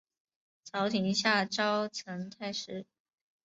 朝廷下诏赠太师。